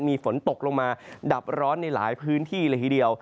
มีฝนตกลงมาดับร้อนในหลายพื้นที่เลยทีเดียว